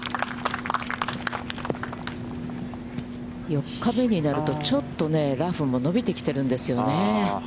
４日目になると、ちょっとラフも伸びてきているんですよね。